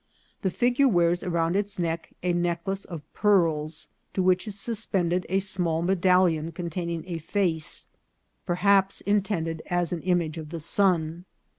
The figure wears around its neck a necklace of pearls, to which is suspended a small medallion con taining a face ; perhaps intended as an image of the sun.